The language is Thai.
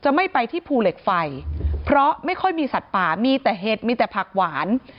ไม่ไปที่ภูเหล็กไฟเพราะไม่ค่อยมีสัตว์ป่ามีแต่เห็ดมีแต่ผักหวาน